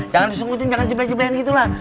jangan disengujungin jangan jeble jeblein gitu lah